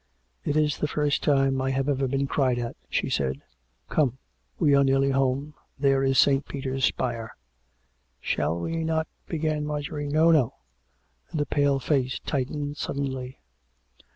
" It is the first time I have ever been cried at," she said. " Come ; we are nearly home. There is St. Peter's spire." "Shall we not ?" began Marjorie. " No, no " (and the pale face tightened suddenly).